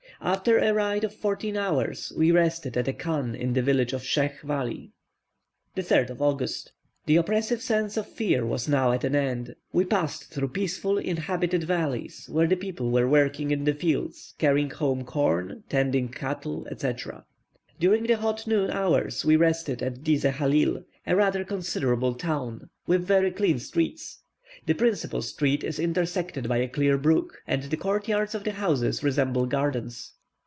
After a ride of fourteen hours, we rested at a chan in the village of Schech Vali. 3rd August. The oppressive sense of fear was now at an end. We passed through peaceful inhabited valleys, where the people were working in the fields, carrying home corn, tending cattle, etc. During the hot noon hours we rested at Dise halil, a rather considerable town, with very clean streets; the principal street is intersected by a clear brook, and the court yards of the houses resemble gardens.